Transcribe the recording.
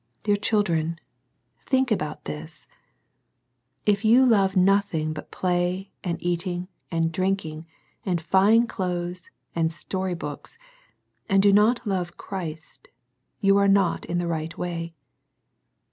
Dear children, think about this ! If you love nothing but play and eating and drinking and fine clothes and story books and do not love Christ, you are not in the right way.